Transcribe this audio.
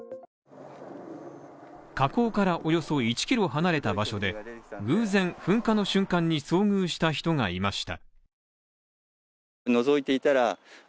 火口からおよそ１キロ離れた場所で偶然、噴火の瞬間に遭遇した人がいました。